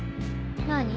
何？